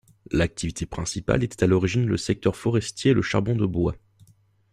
L'activité principale était à l'origine le secteur forestier et le charbon de bois.